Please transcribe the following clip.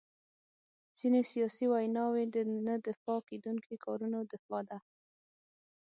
ځینې سیاسي ویناوي د نه دفاع کېدونکو کارونو دفاع ده.